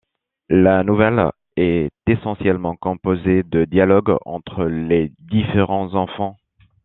La nouvelle est essentiellement composée de dialogues entre les différents enfants.